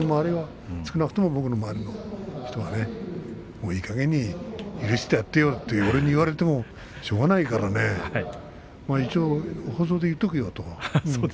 少なくとも僕の周りの人はねもういい加減に許してやってよと俺に言われてもしょうがないからね一応、放送で言っとくよと。